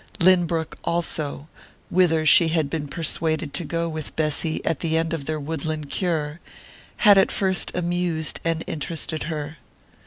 Lynbrook also, whither she had been persuaded to go with Bessy at the end of their woodland cure, had at first amused and interested her.